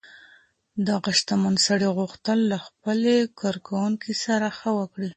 دغه شتمن سړي غوښتل له خپلې کارکوونکې سره ښه وکړي.